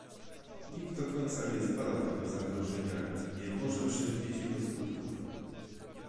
Nikt do końca nie zbadał tego zagrożenia i nie może przewidzieć jego skutków